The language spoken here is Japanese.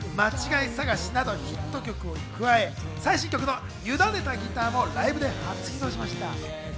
『惑う糸』や『まちがいさがし』など、ヒット曲に加え、最新曲の『ゆだねたギター』もライブで初披露しました。